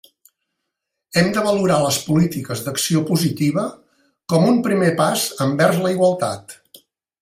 Hem de valorar les polítiques d’acció positiva com un primer pas envers la igualtat.